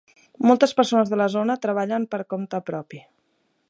Moltes persones de la zona treballen per compte propi.